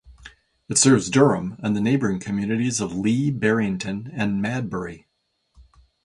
It serves Durham and the neighboring communities of Lee, Barrington, and Madbury.